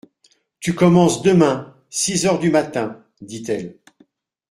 Tu commences demain, six heures du matin, dit-elle.